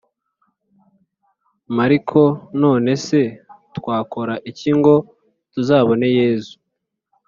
Mariko None se twakora iki ngo tuzabone yezu